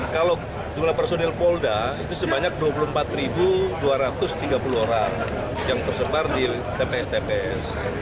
kalau jumlah personil polda itu sebanyak dua puluh empat dua ratus tiga puluh orang yang tersebar di tps tps